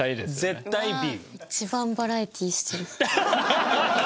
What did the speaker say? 絶対Ｂ。